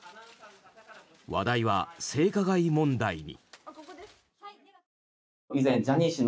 話題は性加害問題に。